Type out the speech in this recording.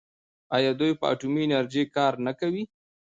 آیا دوی په اټومي انرژۍ کار نه کوي؟